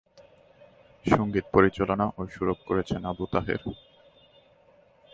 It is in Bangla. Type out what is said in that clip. সঙ্গীত পরিচালনা ও সুরারোপ করেছেন "আবু তাহের"।